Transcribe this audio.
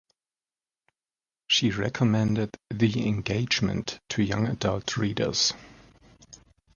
She recommended "The Engagement" to young adult readers.